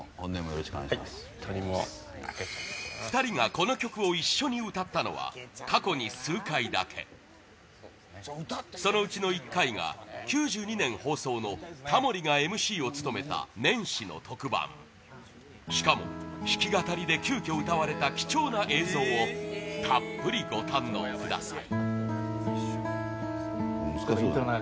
２人がこの曲を一緒に歌ったのは過去に数回だけそのうちの１回が９２年放送のタモリがＭＣを務めた年始の特番しかも弾き語りで急きょ歌われた貴重な映像をたっぷりご堪能ください